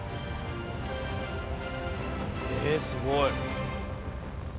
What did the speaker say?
えーすごい。